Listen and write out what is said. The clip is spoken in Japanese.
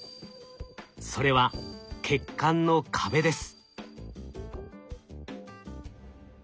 それは血管の壁です。